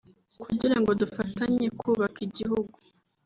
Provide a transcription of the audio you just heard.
kugira ngo dufatanye kubaka igihugu